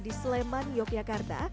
di sleman yogyakarta